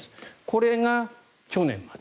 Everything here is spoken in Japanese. これが去年まで。